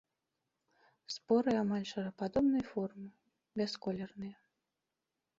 Споры амаль шарападобнай формы, бясколерныя.